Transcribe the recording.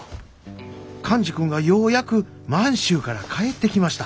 寛治君がようやく満州から帰ってきました。